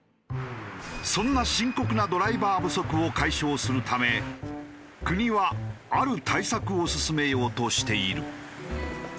そんな深刻なドライバー不足を解消するため国はある対策を進めようとしている。